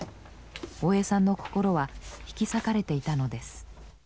大江さんの心は引き裂かれていたのです。